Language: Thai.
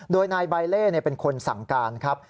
โดยนายใบเล่เป็นคนสั่งการครับ